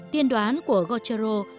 tiên đoán của gautierot